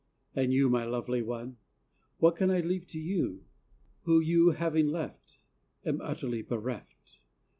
And you, my lovely one, What can I leave to you, who, you having left, Am utterly bereft?